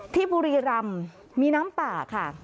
บุรีรำมีน้ำป่าค่ะ